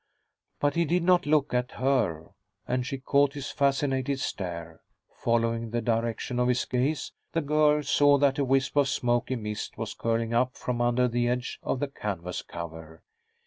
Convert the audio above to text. But he did not look at her, and she caught his fascinated stare. Following the direction of his gaze, the girl saw that a whisp of smoky mist was curling up from under the edge of the canvas cover.